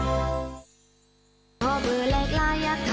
อันนี้ต้องวิวให้หนูสนุกกว่านี้พี่นิตเต้